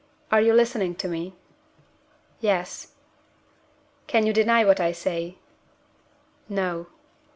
Are you listening to me?" "Yes." "Can you deny what I say?" "No."